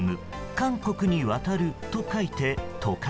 韓国に渡ると書いて渡韓。